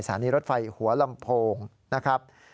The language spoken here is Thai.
สถานีรถไฟหัวลำโพงนะครับ